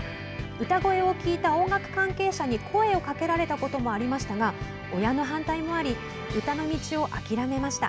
歌声を聴いた音楽関係者に声をかけられたこともありましたが親の反対もあり歌の道を諦めました。